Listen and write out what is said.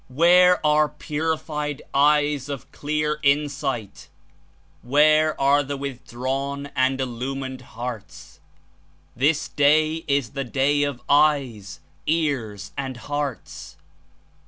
"Where are purified eyes of clear Insight? Where are the withdrawn and Illumined hearts? This Day is the day of eyes, ears and hearts.